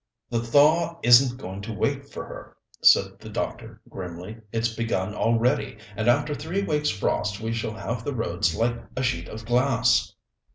"The thaw isn't going to wait for her," said the doctor grimly. "It's begun already, and after three weeks' frost we shall have the roads like a sheet of glass."